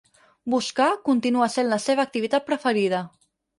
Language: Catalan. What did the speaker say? Buscar continua sent la seva activitat preferida.